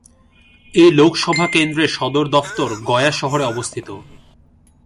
এই লোকসভা কেন্দ্রের সদর দফতর গয়া শহরে অবস্থিত।